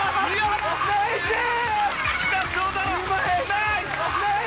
ナイス！